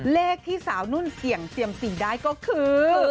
เลขที่สาวนุ่นเสี่ยงเซียมซีได้ก็คือ